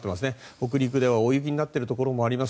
北陸では大雪になっているところもあります。